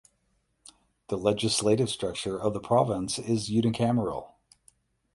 The legislative structure of the province is unicameral.